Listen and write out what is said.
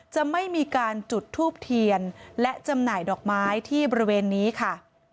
จะไม่มีการจุดทูบเทียนและจำหน่ายดอกไม้ที่บริเวณนี้ค่ะ